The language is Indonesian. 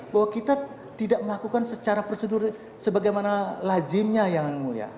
bahwa kita tidak melakukan secara prosedur sebagaimana lazimnya yang mulia